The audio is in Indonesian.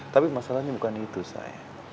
tapi masalahnya bukan itu saya